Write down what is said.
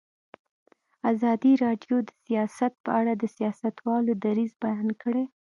ازادي راډیو د سیاست په اړه د سیاستوالو دریځ بیان کړی.